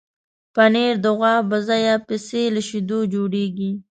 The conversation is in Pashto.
پنېر د غوا، بزه یا پسې له شیدو جوړېږي.